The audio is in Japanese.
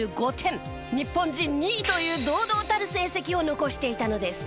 日本人２位という堂々たる成績を残していたのです。